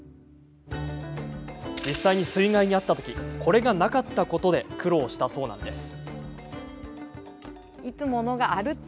実際に水害に遭ったときこれがなかったことで苦労したそうなんです。